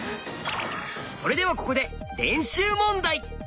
それではここで練習問題。